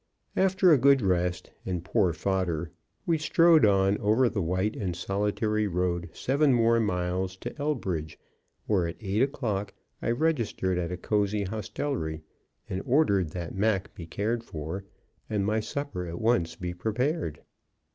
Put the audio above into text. After a good rest and poor fodder, we strode on over the white and solitary road seven more miles to Elbridge, where, at eight o'clock, I registered at a cozy hostelry, and ordered that Mac be cared for and my supper at once be prepared.